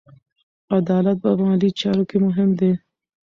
عدالت په مالي چارو کې مهم دی.